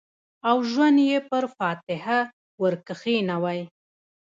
او ژوند یې پر فاتحه ورکښېنوی